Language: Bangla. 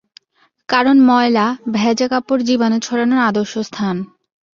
কারণ ময়লা, ভেজা কাপড় জীবাণু ছড়ানোর আদর্শ স্থান।